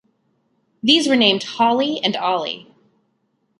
These were named "Holly" and "Olly".